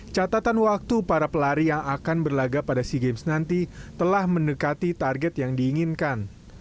catatan waktu para pelari yang akan berlaga pada sea games nanti telah mendekati target yang diinginkan